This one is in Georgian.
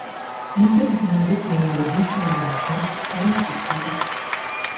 მისი ბრძანებით მეომრებმა შეინარჩუნეს სრული სიჩუმე.